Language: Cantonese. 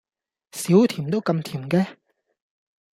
少甜都咁甜嘅？